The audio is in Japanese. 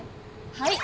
はい！